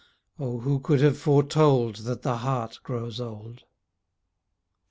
Oh, who could have foretold That the heart grows old?